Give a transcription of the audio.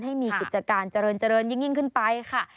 ให้มีกุฏการณ์เยึงขึ้นไปค่ะ